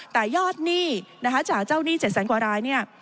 แต่ยอดหนี้นะคะจากเจ้าหนี้๗แสนกว่ารายเนี่ย